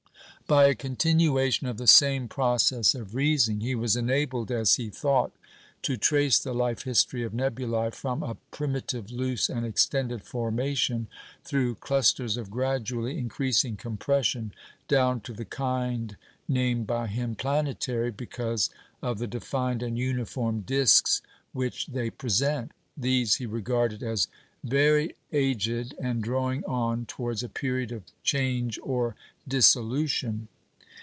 By a continuation of the same process of reasoning, he was enabled (as he thought) to trace the life history of nebulæ from a primitive loose and extended formation, through clusters of gradually increasing compression, down to the kind named by him "Planetary" because of the defined and uniform discs which they present. These he regarded as "very aged, and drawing on towards a period of change or dissolution."